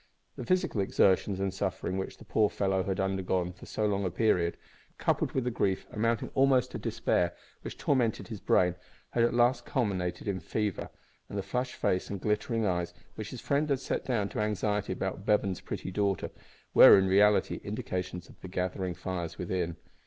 The physical exertions and sufferings which the poor fellow had undergone for so long a period, coupled with the grief, amounting almost to despair, which tormented his brain, had at last culminated in fever; and the flushed face and glittering eyes, which his friend had set down to anxiety about Bevan's pretty daughter, were, in reality, indications of the gathering fires within.